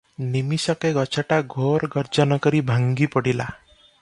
ନିମିଷକେ ଗଛଟା ଘୋର ଗର୍ଜନକରି ଭାଙ୍ଗି ପଡ଼ିଲା ।